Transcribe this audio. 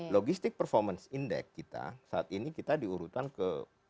logistik performance index kita saat ini kita diurutan ke empat puluh tiga